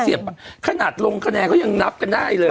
เชียบขนาดลงคะแนนก็ยังลับกันได้เลย